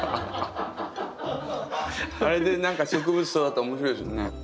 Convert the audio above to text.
あれで何か植物育ったら面白いですよね。